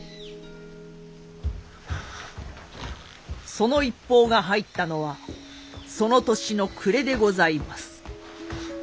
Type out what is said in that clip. その一報が入ったのはその年の暮れでございます。